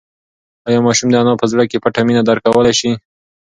ایا ماشوم د انا په زړه کې پټه مینه درک کولی شي؟